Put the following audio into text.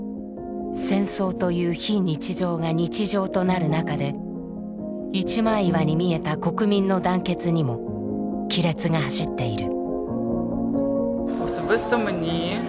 戦争という非日常が日常となる中で一枚岩に見えた国民の団結にも亀裂が走っている。